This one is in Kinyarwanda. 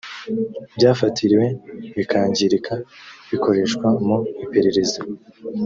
byafatiriwe bikangirika bikoreshwa mu iperereza